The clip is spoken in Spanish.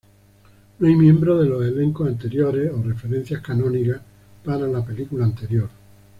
No hay miembros de los elencos anteriores o referencias canónicas para la película anterior.